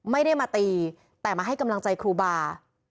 ไม่ได้มาตีแต่มาให้กำลังใจครูบา